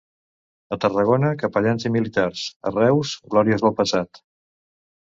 A Tarragona, capellans i militars; a Reus, glòries del passat.